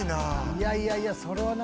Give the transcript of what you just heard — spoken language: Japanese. いやいやいやそれはないやろ。